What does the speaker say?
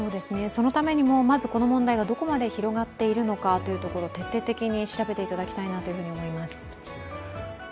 そのためにも、まずこの問題がどこまで広がっているのかを徹底的に調べていただきたいなと思います。